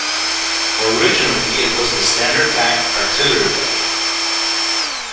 Originally it was the standard pack artillery weapon.